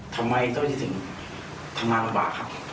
ทำไมจะว่าไม่สามารถทำงานบางค่ะ